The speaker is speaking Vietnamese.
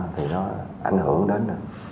thì nó ảnh hưởng đến